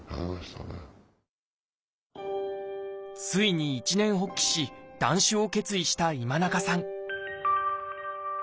ついに一念発起し断酒を決意した今中さん